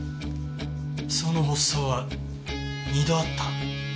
その発作は二度あった？